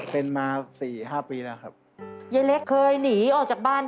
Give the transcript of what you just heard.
สวัสดีจ้ะ